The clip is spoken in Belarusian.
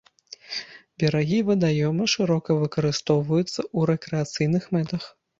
Берагі вадаёма шырока выкарыстоўваюцца ў рэкрэацыйных мэтах.